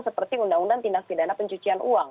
seperti undang undang tindak pidana pencucian uang